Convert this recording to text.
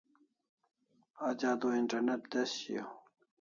Aj adua internet tez shiau